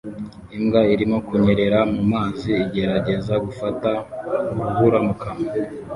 Imbwa irimo kunyerera mu mazi igerageza gufata urubura mu kanwa